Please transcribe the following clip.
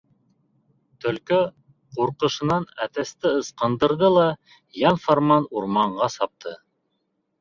Төлкө ҡурҡышынан Әтәсте ысҡындырҙы ла йән-фарман урманға сапты.